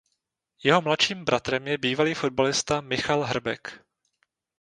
Jeho mladším bratrem je bývalý fotbalista Michal Hrbek.